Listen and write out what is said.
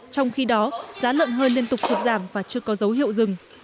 trong khi đó giá lợn hơi liên tục sụt giảm và chưa có dấu hiệu dừng